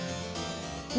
何？